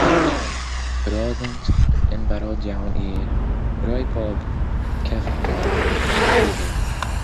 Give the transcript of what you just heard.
Roeddynt yn barod iawn i roi pob cefnogaeth iddo.